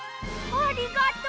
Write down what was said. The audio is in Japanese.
ありがとう！